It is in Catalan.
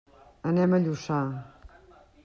Anem a Lluçà.